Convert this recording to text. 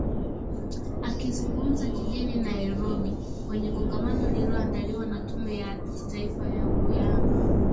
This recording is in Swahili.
Akizungumza jijini Nairobi kwenye kongamano lililoandaliwa na Tume ya Kitaifa ya Uwiano